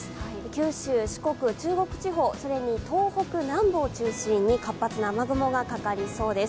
九州、四国、中国地方、それに東北南部を中心に活発な雨雲がかかりそうです。